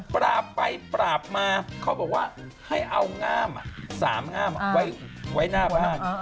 ปราบไปปราบมาเขาบอกว่าให้เอาง่าม๓ง่ามไว้หน้าบ้าน